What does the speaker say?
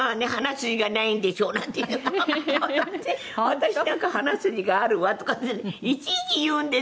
「私なんか鼻筋があるわ」とかっていちいち言うんですよね。